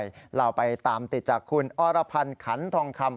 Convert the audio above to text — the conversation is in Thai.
เราไปตามติดจากคุณอรพันธ์ขันทองคำ